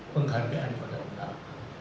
penghargaan pada ulama